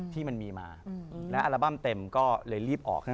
ที่มันมีมาแล้วอัลบั้มเต็มก็เลยรีบออก